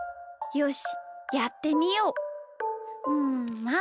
よし。